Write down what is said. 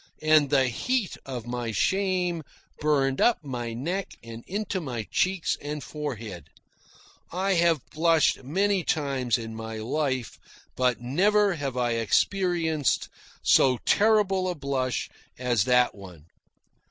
And the heat of my shame burned up my neck and into my cheeks and forehead. I have blushed many times in my life, but never have I experienced so terrible a blush as that one.